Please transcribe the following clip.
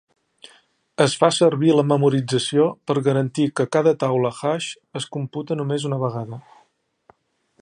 Es fa servir la memoització per garantir que cada taula hash es computa només una vegada.